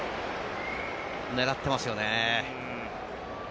狙ってますよね。